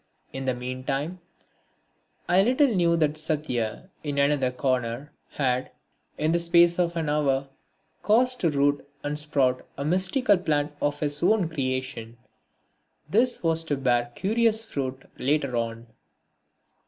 In the meantime, I little knew that Satya, in another corner, had, in the space of an hour, caused to root and sprout a mystical plant of his own creation. This was to bear curious fruit later on.